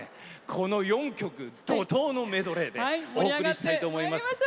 この４曲怒とうのメドレーでお送りしたいと思います。